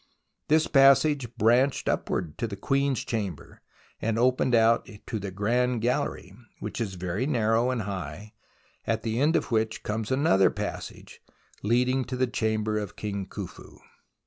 This passage branched upward to the Queen's Chamber, and opened out to the Grand Gallery, which is very narrow and THE ROMANCE OF EXCAVATION 65 high, at the end of which comes another passage leading to the Chamber of King Khufu.